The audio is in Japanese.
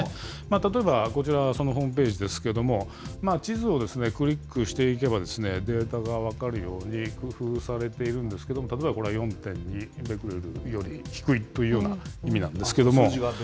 例えばこちら、そのホームページですけれども、地図をクリックしていけば、データが分かるように工夫されているんですけれども、例えばこれは、４．２ベクレルより低いというような意味なんですけれども。